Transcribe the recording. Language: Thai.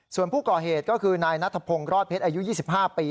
ส่วนผู้ก่อเหตุก็คือนายนัทพงศ์รอดเพชรอายุ๒๕ปี